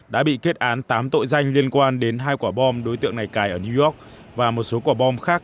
đã bị kết án tám tội danh liên quan đến hai quả bom đối tượng này cài ở new york và một số quả bom khác